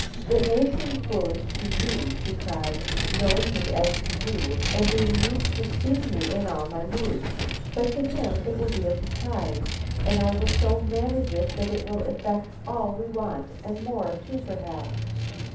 'It may seem foolish to you' she cried, 'knowing me as you do, and being used to seeing me in all my moods. But to him it will be a surprise, and I will so manage it that it will effect all we want, and more, too, perhaps.